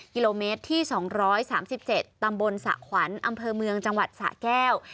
กิโลเมตรที่๒๓๗ตำบลสะขวัญอำเภอเมืองจังหวัดสะแก้ว